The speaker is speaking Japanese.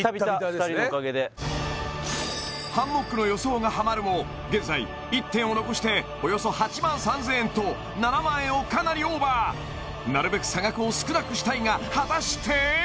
２人のおかげでハンモックの予想がハマるも現在１点を残しておよそ８万３０００円と７万円をかなりオーバーなるべく差額を少なくしたいが果たして？